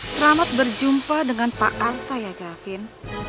selamat berjumpa dengan pak arta ya gavin